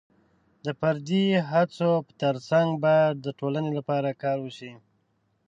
د فردي هڅو ترڅنګ باید د ټولنې لپاره کار وشي.